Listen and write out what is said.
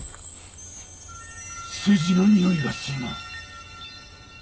数字のにおいがするな。